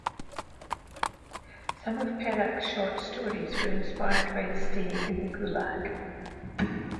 Some of Perakh's short stories were inspired by his stay in the gulag.